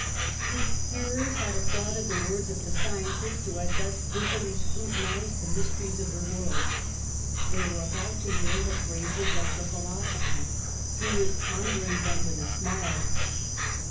His hearers had applauded the words of the scientist who had thus dizzily scrutinised the mysteries of the world ; they were about to hear the phrases of the philosopher, who was pon 144 PASTEUR dering them with a smile.